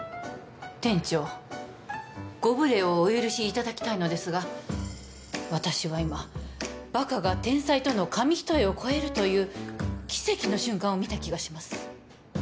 店長ご無礼をお許しいただきたいのですが私は今バカが天才との紙一重を超えるという奇跡の瞬間を見た気がします